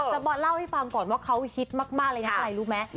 จะมาเล่าให้ฟังก่อนว่าเขาฮิตมากเลยนะอะไรรู้ไหม